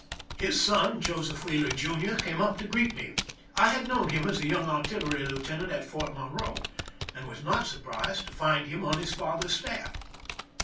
His son, Joseph Wheeler, Jr., came up to greet me. I had known him as a young artillery lieutenant at Fort Monroe, and was not surprised to find him on his father's staff.